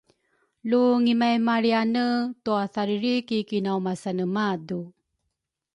Lu ngimaimalriane twathariri ki kinaumasane madu